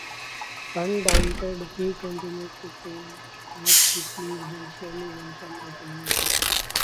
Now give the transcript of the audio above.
Undaunted, he continued to paint what he pleased and slowly won some recognition.